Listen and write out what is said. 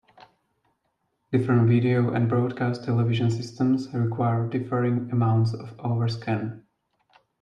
Different video and broadcast television systems require differing amounts of overscan.